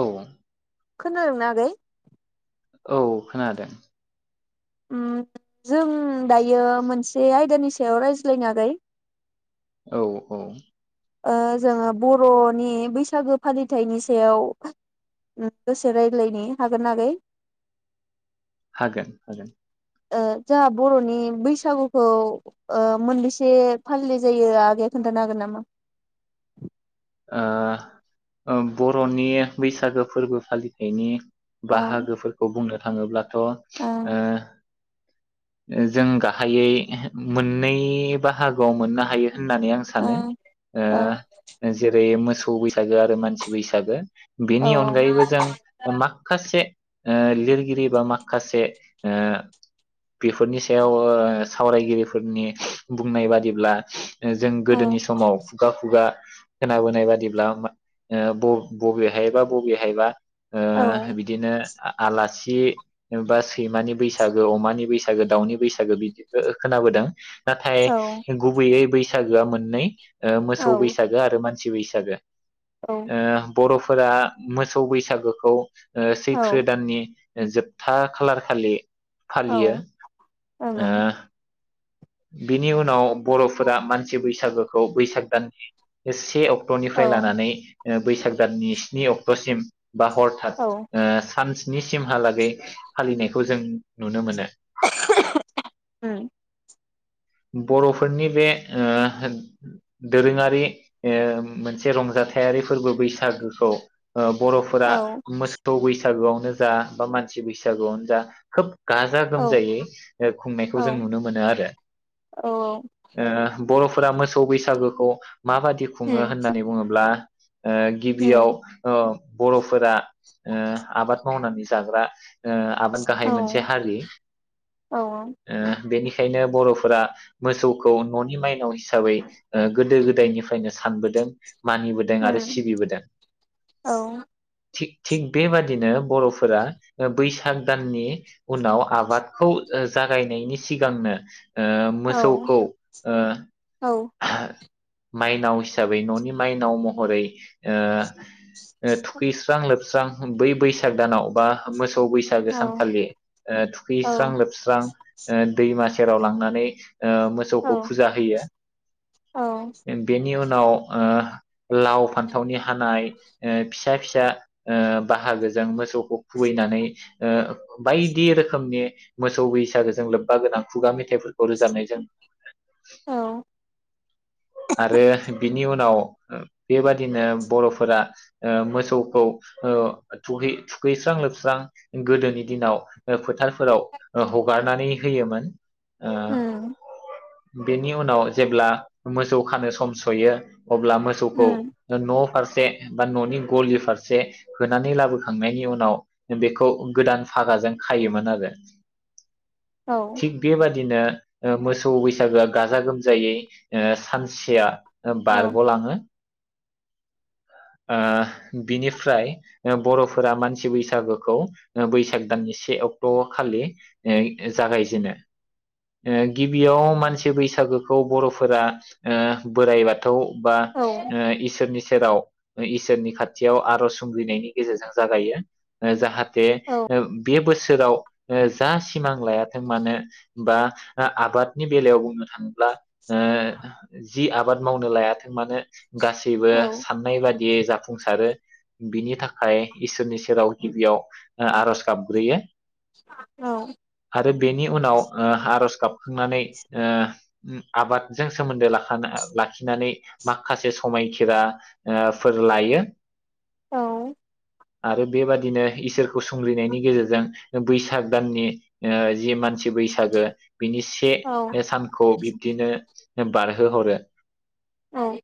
औ। खोनादोंनो आगै? औ खोनादों। उम जों दायो मोनसे आयदानि सायाव रायज्लायनो आगै। औ औ। ओ जोङो बरनि बैसागो फालिथाइनि सायाव उम दसे रायलायनि हागोन ना आगै। हागोन हागोन। ओ जोंहा बरनि बैसागुखौ ओ मोनबैसे फालिनाय जायो आगैया खोन्थानो हागोन नामा? ओ बरनि बैसागो फोरबो फालिथायनि औ बाहागोफोरखौ बुंनो थाङोब्ला थ ओ जों गाहायै मोननै बाहागोआव मोननो हायो। होननानै आं सानो ओं ओ ओं जेरै मोसौ बैसागो आरो मानसि बैसागो। बेनि अनगायैबो जों माखासे ओ लिरगिरि बा माखासे ओ बेफोरनि सायाव सावरायगिरिफोरनि बुंनाय बादिब्ला जों ओं गोदोनि समाव खुगा खुगा [inaudible] खोनाबोनाय बादिब्ला बबेहायबा बबेहायबा ओ औ बिदिनो आलासि हि नुबासि सैमानि बैसागो अमानि बैसागो। बैसागो दाउनि बैसागो बिदिखौ खोनाबोदों। नाथाय औ गुबैयै बैसाग गोआ मोननै ओ मोसौ औ बैसागो आरो मानसि बैसागो औ ओ बरफोर फोरा मोसौ बैसागोखौ ओ सैथ्रो औ दाननि जोबथा खालार खालि फालियो ओ बिनि उनाव बरफोरा मानसि बैसागोखौ बैसाग दाननि से अक्ट औ ओं औ क्टरनिफ्राय लानानै ओ बैसाग जाननि स्नि अक्टसिम बा हरथात औ ओ सानसे स्निसिमहालागै फालिनायखौ जों नुनो मोनो [unintelligible] बरफोरनि बे ओ दोरोङारि ओ मोनसे रंजाथायारि फोरबो बैसागोखौ ओ बरफोरा औ मोसौ बैसा सागुआवनो जा बा मानसि बैसागुआवनो जा खोब गाजा गोमजायै ओ खुंनायखौ जों औ नुनो मोनो आरो औ औ ओ बरफोरा मोसौ बैसागोखौ माबायदि खुङो उम होननानै बुङोब्ला ओ उम गिबियाव ओ बर फोरा ओ आबाद मावनानै जाग्रा ओ आबाद औ गाहाय मोनसे हारि औ ओ बेनिखायनो बर फोरा मोसौखौ ननि माइनाव हिसाबै ओ गोदो गोदायनिफ्रायनो सानबोदों मानिबोदों आरो उम सिबिबोदों औ थिग थिग बेबादिनो बर फोरा बैसाग दाननि उनाव आबादखौ जागायनायनि सिगांनो ओ औ मोसौखौ ओ औ माइनाव हिसाबै ननि माइनाव महरै ओ थुखैस्रां लोब सा बै बैसाग दानाव बा मोसां बैसागो सानखाालि ओ थुखैस्रां औ लोबस्रां ओ दैमासे सेराव लांनानै म [unintelligible] ओ मोसौखौ औ फुजा होयो औ बेनि उनाव ओ लाव फान्थावनि हानाय ओ फिसा फिसा ओ बाहागोजों मोसौखौ खुबैनानै ओ बायदि रोखोमनि मोसौ बैसागोजों लोब्बा गोनां खुगा मेथाइफोर खौ रोजानायजों औ आरो बिनि उनाव बेबादिनो बर फोरा ओ मोसौखौ ओ थुहै थुखैस्रां लोबस्रां गोदोनि दिनाव फोथारफोराव हगारनानै होयोमोन ओ होम बेनि उनाव जेब्ला मोसौ खानो सम सयो अब्ला मोसौखौ उम न फारसे फारसे बा ननि गलि फारसे होनानै लाबोखांनायनि उनाव बेखौ गोदान फागाजों खायोमोन आरो औ थिग बेबा बिदिनो मोसौ बैसागोआ गाजा गोमजायै ओ सानसेया औ बारग लाङो ओ बिनिफ्राय बर फोरा मानसि बैसागोखौ बैसाग दाननि से अक्ट खालि ओ जागायजेनो ओ गिबियाव मानसि बैसागोखौ बर फोरा ओ बोराय बाथौ बा औ ओ इसोरनि सेराव ओ इसोरनि खाथियाव आरज संग्रिनायनि गेजेरजों जागायो ओ जाहाथ थे औ ओ बे बोस सोराव ओ जा सिमां लायाथों मानो बा आबादनि बेलायाव बुंनो थाङोब्ला ओ जि आबाद मावनो लायाथों मानो गासैबो औ साननाय बा दि जाफुंसार आरो बिनि थाखाय इसोरनि सेराव गिबियाव आरज गाबग्रोयो आरो बेनि उनाव ओ आरज गाब नानै ओ आबादजों सोमोन्दो लाखा लाखिनानै माखासे समायखिरा ओ फोर लायो। औ आरो बेबादिनो इसोरखौ सुंग्रिनायनि गेजेरजों बैसाग दाननि ओ जि मान सि बैसागो बिनि से औ सानखौ बि दिनो बारहोहरो औ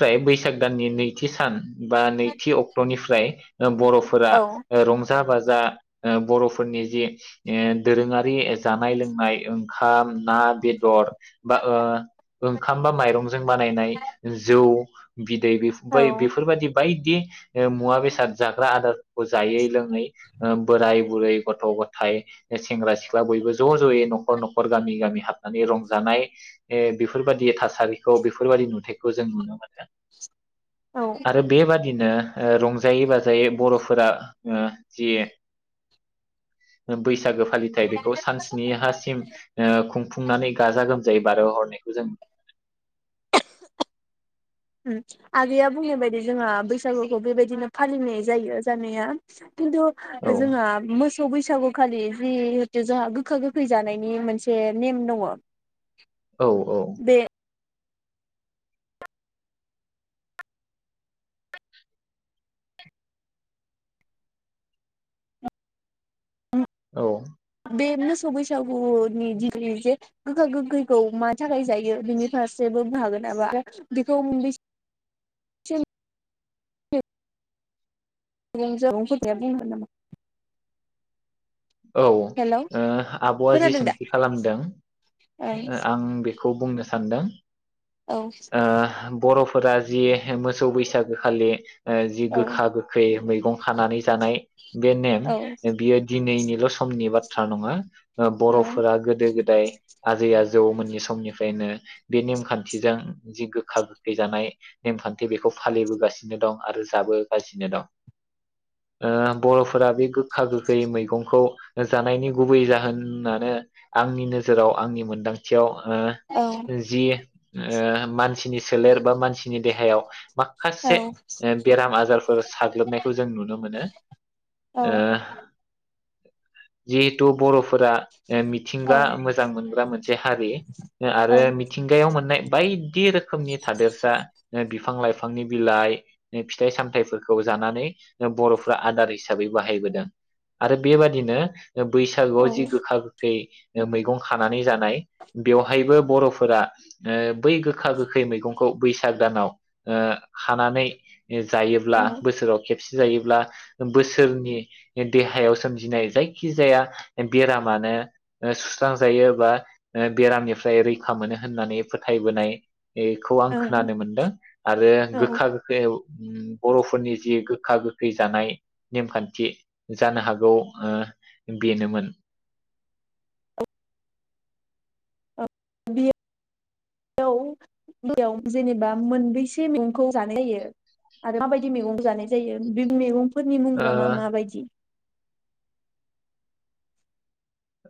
बै बैस साग दाननि नैथि सान बा नैथि अक्टनि फ्राय ओ बर'फोरा ओ रं जा बाजा ओ बर'फोरनि जि ओ दोरोङारि जानाय लोंनाय ओंखाम ना बेदर बा ओ ओंखाम बा माइरंजों बानायनाय जौ बिद दैै बै औ बेफोरबायदि बायदि ओ मुवा बेसाद जाग्रा आदारफोरखौ जायै लोङै ओ बोराय बुरै गथ' गथाय सेंग्रा सिख्ला बयबो ज' ज'यै नखर नखर गामि गामि हाबनानै रंजानाय ओ बेफोरबायदि थासारिखौ बेफोरबायदि नुथायाइखौ जों नुनो मोनगोन। उम आरो बेबा दिनो ओ रंजायै बाजायै बर'फोरा ओ जि बैसागो फालिथाय बेखौ सान स्निहासिम ओ खुंफुंनानै गाजा गोमजायै बारहो हरनाय जों ओम आगैया बुंनाय बायदि जोंहा बैसागुखौ बेबायदिनो फालिनाय जायो जानाया खिन्थु औ जोंहा मोस सौ बैसागुखालि जिहेथु जोंहा गोखा गोखै जानायनि मोनसे नेम दङ औ औ बे औ बे मोसौ बैसागुनि दिनै जे गोखा गोखैखौ मा थाखाय जायो बेनि फारसेबो बुं हागोन नामा बेखौ [unintelligible] सुबुंफोरनिया [unintelligible] बुंनो हागोन नामा? औ हेलौ औ आब'आ जि खोनादों दा सोंथि खालामदों ओं आं बेखौ खौ बुंनो सानदों औ ओ बर'फोरा जि मोसौ बैसागोखालि जि औ गोखा गोखै मैगं खानानै जानाय बे नेम औ बियो दिनैनि ल' समनि बाथ्रा नङा औ बर'फोरा गोदो-गोदाय आजै-आजै जौ मोननि समनिफ्रायनो बे नेमखान्थिजों जि गोखा गोखै जानाय नेमखान्थि बेखौ फालिबोगासिनो दं आरो जाबोगासिनो दं ओ बर' फोरा बे गोखा गोखै मैगंखौ जानायनि गुबै जाहोनानो आंनि नोजोराव आंनि मोनदांथियाव औ ओ जि ओ मानसिनि सोलेर बा मानसिनि देहायाव औ माखासे बेराम आजार ओ साग्लोबनायखौ जों नुनो मोनो ओ जिहेथु बर'फोरा ओ मिथिंगा मोजां मोनग्रा मोनसे हारि आरो मिथिंगायाव मोननाय बायदि रोखोमनि थादेरसा बिफां लाइफांनि बिलाइ फिथाइ सामथाइफोरखौ जानानै बर'फ्रा आदार हिसाबै बाहायबोदों आरो बेबाद दिनो औ बैसागुआव जि गोखा गोखै मैगं खानानै जानाय बेवहायबो बर'फोरा ओ बै गोखा गोखै मैगंखौ बैसाग दानाव ओ खानानै जायोब्ला बोसोराव खेबसे जायोब्ला बोसोरनि देहायाव सोम जिनाय जायखिजाया बेरामानो सुस्रांजायो बा ओ बेरामनिफ्राय रैखा मोनो होननानै फोथायबोनाय बेखौ आं औ खोनानो मोनदों आरो औ गोखा गोखै बर'फोरनि जि गोखा गोखै जानाय नेमखान्थि जानो हागौ ओ बेनोमोन। बे [unintelligible] जेनेबा मोनबैसे मैगंखौ जानाय जायो आरो माबायदि मैगं जानाय जायो बे मैगं फोरनि ओ मुंग्रा मा माबायदि?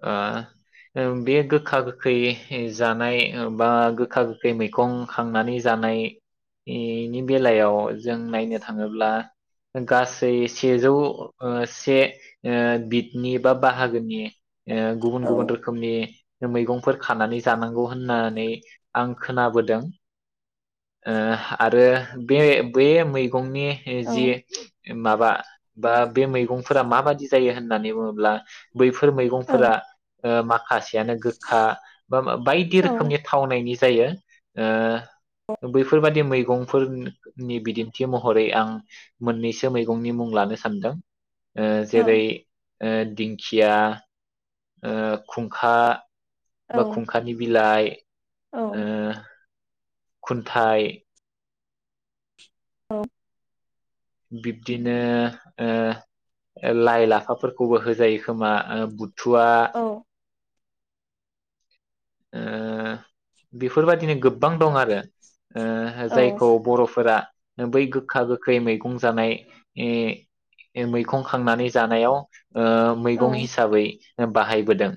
ओ बे गोखा गोखै जानाय बा गोखा गोखै मैगं खांनानै जानाय इनि बेलायाव जों नायनो थाङोब्ला गासै सेजौ ओ से ओ बिदनि बा बाहागोनि ओ गुबुन औ गुबुन रोखोमनि मैगंफोर खानानै जानांगौ होननानै आं खोनाबोदों ओ आरो बे बेै गंनि जि माबा बा बे मैगंफोरा माबादि? जायो होननानै बुङोब्ला बैफोर मै औ फोरा ओ मा माखासेयानो गोखा बा बाय बायदि औ रोखोमनि थावनायनि जायो ओ बैफोरबादि मैगं फोरनि बिदिन्थि महरै आं मोननैसो मैगंनि मुं लानो सानदों। ओ औ जेरै ओ दिंखिया ओ खुंखा बा औ खुंखानि बिलाइ ओ औ खुनथाय औ। बिब्दिनो ओ लाइ लाफाफोरखौबो होजायो खोमा ओ बुद थुवा औ ओ बेफोर बायदिनो गोबां दं आरो। ओ औ जायखौ बर'फोरा बै गोखा गोखै मैगं जानाय इ मैखं खांनानै जानायाव ओ मैगं औ हिसाबै बाहायबोदों।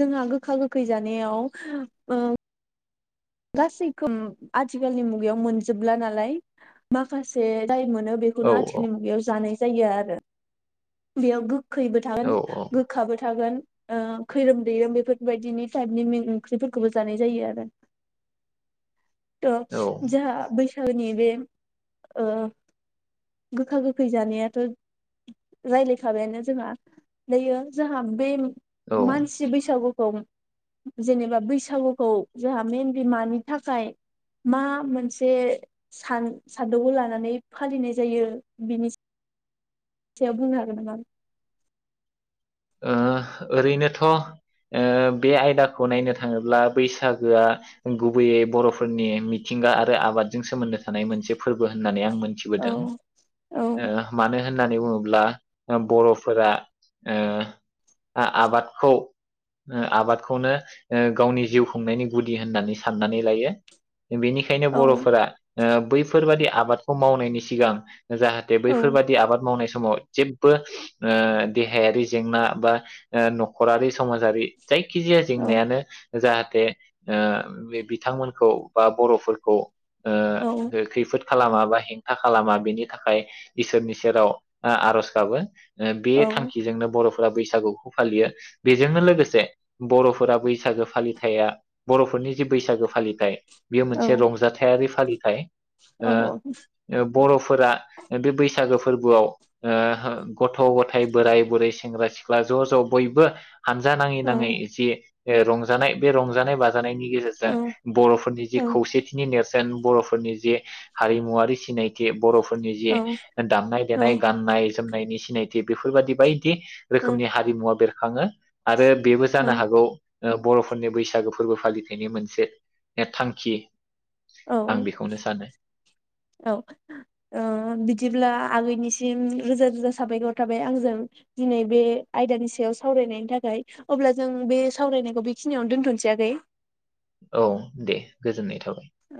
जोंहा गोखा-गोखै जानायाव ओ गासैखौ आथिखालनि मुगायाव मोनजोबला नालाय माखासे जाय मोनो औ बेखौनो आथिखालनि मुगायाव जानाय जायो आरो बेयाव गो खैबो औ थागोन गोखाबो थागोन ओ खैरोम दैैरोम बेफोरबायदिनि टाइपनि मैगं ओंख्रिफोरखौबो जानाय जायो आरो थ औ जाहा बै गोदोनि बे ओ गोखा गोखै जानायाथ रायज्लाय खाबायानो जोंहा दायो जोंहा बे औ ओ मानसि बैसागु खौ जेनेबा बैसागुखौ जोंहा मेन मानि थाखाय मा मोनसे सान सान्दौखौ लानानै फालिनाय जायो बिनि थिया बुंनो हागोन नामा? ओ ओरैनोथ' ओ बे आयदाखौ नायनो थाङोब्ला बैसागोआ गुबैयै बर'फोरनि मिथिंगा आरो आबादजों सोमोन्दो थानाय मोनसे फोरबो होननानै आं मोनथिबोदों औ औ ओ मानो होननानै बुङोब्ला ओ बर'फोरा ओ आ-आबादखौ ओम आबादखौनो गावनि जिउ खुंनायनि गुदि होननानै साननानै लायो। बेनिखायनो औ बर'फोरा ओ बैफोरबादि आबादखौ मावनायनि सिगां जाहाथे औ बैफोरबायाददि आबाद मावनाय स समाव जेबबो ओ देहायारि जेंना बा ओ न'खरारि समाजारि जायखिजाया औ जेंनायानो जाहाथे ओ बे बिथांमोनखौ बा बर'फोरखौ ओ औ बे खैफोद खालामा बा हेंथा खालामा बेनि थाखाय इसोरनि सेराव आ-आरज गाबो। ओ बे औ थांखिजोंनो बर'फोरा बैसागुखौ फालियो। बेजोंनो लोगोसे बर'फोरा बैसागो फालिथाया बर'फोरनि जि बैसागो फालिथाय बियो औ मोनसे रंजाथारि फो फालिथाय ओ औ औ ओ बर'फोरा ओ बे बैसागो फोरबोआव ओ हो गथ'-गथाय बोराय-बुरै सेंग्रा-सिख्ला ज' ज' बयबो हानजा नाङै औ नाङै एसे बे रंजानाय बे रंजानाय बाज नि औ गेजेरजों बर'फोरनि जि खौसेथिनि नेरस देन बर'फोरनि जे हारिमुवारि सिनायथि बर'फो फोरनि जे दामनाय देनाय गान्नाय जोमनायनि सिनायथि बेफोरबादि बाय दि रोखोमनि हारिमुवा बेरखा खाङो। आरो बेबो औ जानो हागौ ओ बर'फोरनि बैसागो फोरबो फालिथायनि मोनसे थांखि औ आं बेखौनो सानो औ ओ बिदिब्ला आगैनिसिम रोजा रोजा साबायखर थाबाय आंजों दिनै बे आयदानि सायाव सावरायनायनि थाखाय अब्ला जों बे सावरायनायखौ बेखिनियावनो दोनथसौय आगै। औ दे गोजोननाय थाबाय। औ